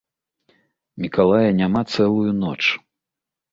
Мікалая няма цэлую ноч.